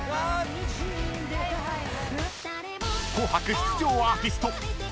［『紅白』出場アーティスト］